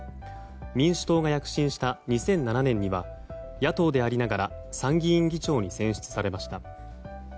民主党が躍進した２００７年には野党でありながら参議院議長に選出されました。